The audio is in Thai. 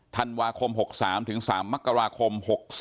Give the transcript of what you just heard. ทันวาคม๖๓ถึง๓มักราคม๖๔